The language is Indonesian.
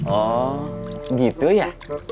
oh gitu ya